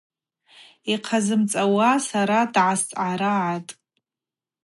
Йхъазымцӏауа сара дгӏасцӏгӏарагӏатӏ.